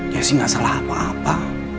jesse gak salah apa apa